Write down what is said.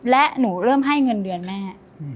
และหนูเริ่มให้เงินเดือนแม่